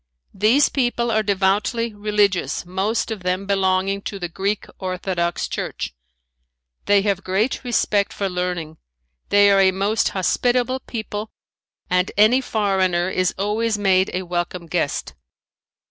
These people are devoutly religious, most of them belonging to the Greek Orthodox church. They have great respect for learning. They are a most hospitable people and any foreigner is always made a welcome guest.